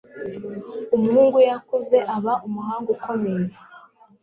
Umuhungu yakuze aba umuhanga ukomeye